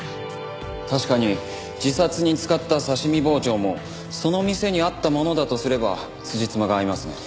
確かに自殺に使った刺し身包丁もその店にあったものだとすればつじつまが合いますね。